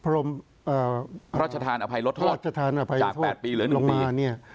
ราชทานอภัยรถทวดจาก๘ปีหรือ๑ปี